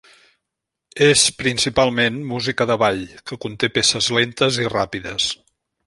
Es principalment música de ball, que conté peces lentes i ràpides.